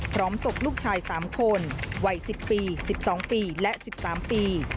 พร้อมศพลูกชาย๓คนวัย๑๐ปี๑๒ปีและ๑๓ปี